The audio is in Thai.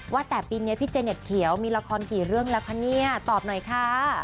ว่าแต่ปีนี้พี่เจเน็ตเขียวมีละครกี่เรื่องแล้วคะเนี่ยตอบหน่อยค่ะ